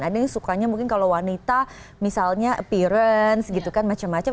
ada yang sukanya mungkin kalau wanita misalnya appearance gitu kan macam macam